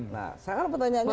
nah saya kan pertanyaannya